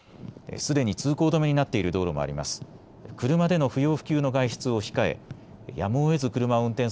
すでに通行止めになっている道路もあります。